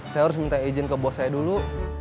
saya harus minta izin ke bos saya dulu